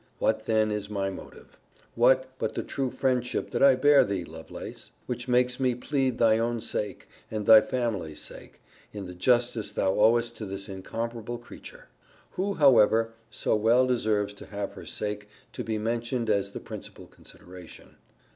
What then is my motive? What, but the true friendship that I bear thee, Lovelace; which makes me plead thy own sake, and thy family's sake, in the justice thou owest to this incomparable creature; who, however, so well deserves to have her sake to be mentioned as the principal consideration.